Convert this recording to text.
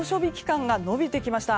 更に猛暑日期間が延びてきました。